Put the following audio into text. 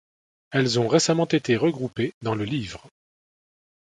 Elles ont récemment été regroupées dans le livre '.